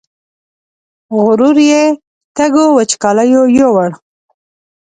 غرور یې تږو وچکالیو یووړ